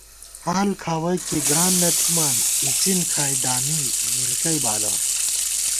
حال کھاوَئیک کی گران نہ تھِمان، اِڅِن کھائی دامی ژِژِکَئ بالہ